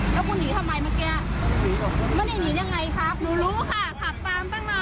อยู่ก็เสียหายค่ะรถก็เสียหายแล้วก็ตามมาค่ะ